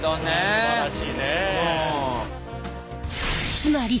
すばらしいね。